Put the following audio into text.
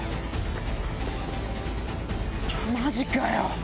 マジかよ！